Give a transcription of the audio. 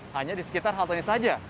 hanya di sekitar haltenya saja